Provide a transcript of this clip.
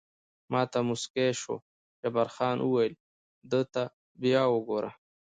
ما ته موسکی شو، جبار خان وویل: ده ته بیا وګوره.